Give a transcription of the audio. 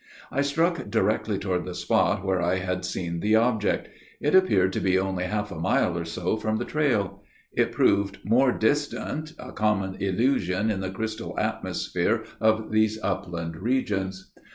I struck directly toward the spot where I had seen the object. It appeared to be only half a mile or so from the trail. It proved more distant a common illusion in the crystal atmosphere of these upland regions.